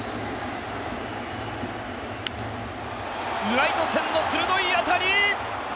ライト線へ、鋭い当たり。